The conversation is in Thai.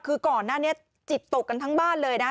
คือก่อนหน้านี้จิตตกกันทั้งบ้านเลยนะ